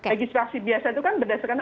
legislasi biasa itu kan berdasarkan